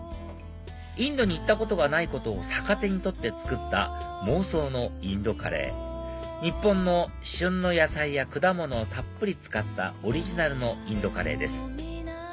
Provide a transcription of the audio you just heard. インドに行ったことがないことを逆手に取って作った妄想のインドカレー日本の旬の野菜や果物をたっぷり使ったオリジナルのインドカレーです